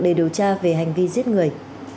để điều tra về hành vi giết người